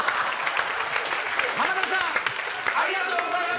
浜田さんありがとうございました！